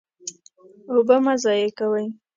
اوبه مه ضایع کوئ.